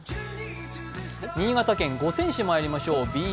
新潟県五泉市まいりましょう。